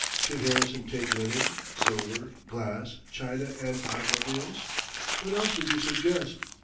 Should Harrison take linen, silver, glass, china and automobiles? What else would you suggest?